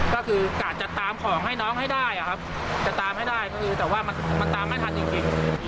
ก็คือกะจะตามของให้น้องให้ได้ครับจะตามให้ได้ก็คือแต่ว่ามันตามไม่ทันจริง